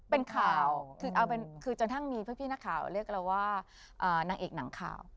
เป็นข่าวคือเอาเป็นคือจนกระทั่งมีพี่นักข่าวเรียกเราว่านางเอกหนังข่าว